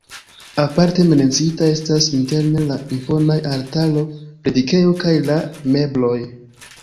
Aparte menciita estas interne la imponaj altaro, predikejo kaj la mebloj.